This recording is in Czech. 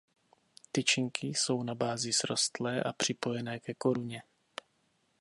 Tyčinky jsou na bázi srostlé a připojené ke koruně.